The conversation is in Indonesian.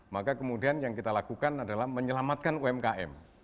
maka kemudian yang kita lakukan adalah menyelamatkan umkm